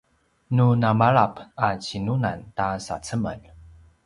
nu namalap a cinunan ta sacemel